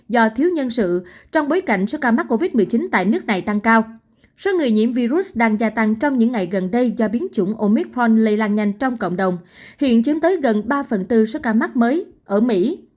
do thiếu nhân sự trong bối cảnh số ca mắc covid một mươi chín tại nước này tăng cao số người nhiễm virus đang gia tăng trong những ngày gần đây do biến chủng omithon lây lan nhanh trong cộng đồng hiện chiếm tới gần ba phần tư số ca mắc mới ở mỹ